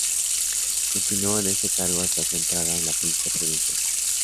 Continuó en este cargo hasta su entrada en la política provincial.